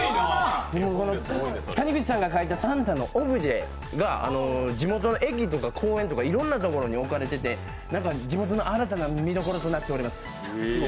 谷口さんが描いたサンタのオブジェが地元の駅とか公園とかに置かれてて地元の新たな見どころとなっております。